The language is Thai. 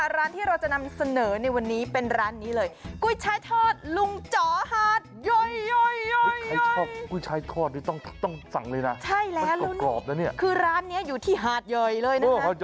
ร้านที่เราจะนำเสนอในวันนี้เป็นร้านนี้เลย